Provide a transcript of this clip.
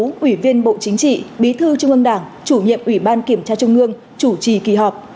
đồng chí trần cẩm tù ủy viên bộ chính trị bí thư trung ương đảng chủ nhiệm ủy ban kiểm tra trung ương chủ trì kỳ họp